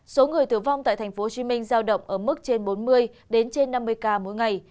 số người tử vong tại tp hcm giao động ở mức trên bốn mươi đến trên năm mươi ca mỗi ngày